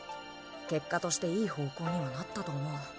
結果としていい方向にはなったと思う。